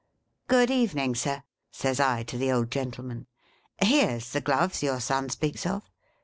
' Good evening, Sir,' says I to the old gentleman. ' Here 's the gloves your son speaks of.